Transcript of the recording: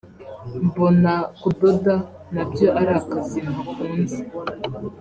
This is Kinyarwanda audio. mbona kudoda na byo ari akazi ntakunze